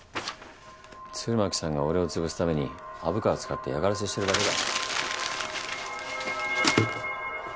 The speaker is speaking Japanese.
鶴巻さんが俺を潰すために虻川使って嫌がらせしてるだけだ。